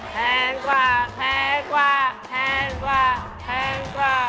แพงกว่าแพงกว่าแพงกว่าแพงกว่า